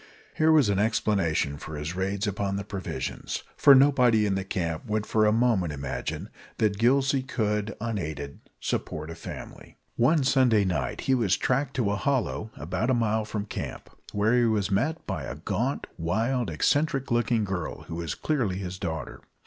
Here was an explanation of his raids upon the provisions, for nobody in the camp would for a moment imagine that Gillsey could, unaided, support a family. One Sunday night he was tracked to a hollow about a mile from camp, where he was met by a gaunt, wild, eccentric looking girl, who was clearly his daughter.